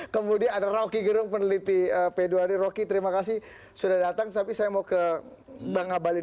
kemudian ada rocky gerung peneliti p dua d rocky terima kasih sudah datang tapi saya mau ke bang abalin